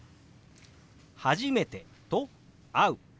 「初めて」と「会う」。